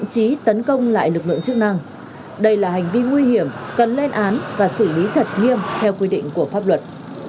chức năng đây là hành vi nguy hiểm cần lên án và xử lý thật nghiêm theo quy định của pháp luật